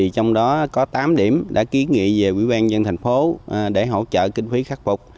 trong đó có tám điểm đã ký nghị về quỹ ban nhân thành phố để hỗ trợ kinh phí khắc phục